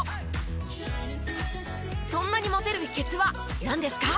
そんなにモテる秘訣はなんですか？